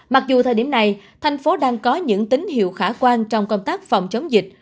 mặc dù thời điểm này thành phố đang có những tín hiệu khả quan trong công tác phòng chống dịch